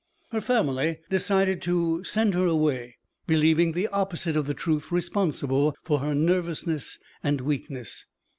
Her family decided to send her away, believing the opposite of the truth responsible for her nervousness and weakness.